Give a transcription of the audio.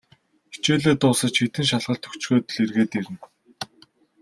Хичээлээ дуусаж, хэдэн шалгалт өгчхөөд л эргээд ирнэ.